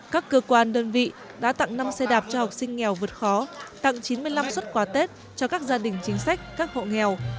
các cơ quan đơn vị đã tặng năm xe đạp cho học sinh nghèo vượt khó tặng chín mươi năm xuất quà tết cho các gia đình chính sách các hộ nghèo